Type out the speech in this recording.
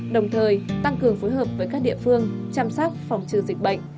đồng thời tăng cường phối hợp với các địa phương chăm sóc phòng trừ dịch bệnh